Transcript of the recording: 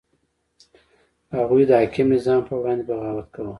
هغوی د حاکم نظام په وړاندې بغاوت کاوه.